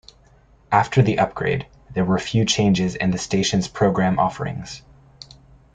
After the upgrade, there were few changes in the station's program offerings.